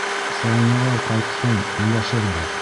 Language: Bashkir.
Саниялар ҡайтһын, уйлашырбыҙ.